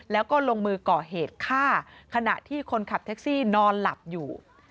แล้วก็ลงมือก่อเหตุฆ่าขณะที่คนขับแท็กซี่นอนหลับอยู่